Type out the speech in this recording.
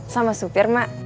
sama supir mak